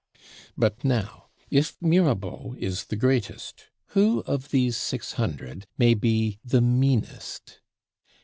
But now, if Mirabeau is the greatest, who of these Six Hundred may be the meanest?